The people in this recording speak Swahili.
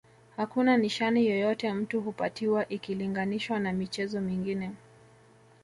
Hakuna nishani yoyote mtu hupatiwa ikilinganishwa na michezo mingine